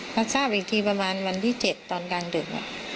มาทราบอีกทีประมาณวันที่๗ตอนกลางดึก